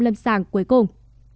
lâm sàng cuối cùng